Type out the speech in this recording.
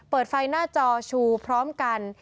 เปิดไฟหน้าจอชูพร้อมกัน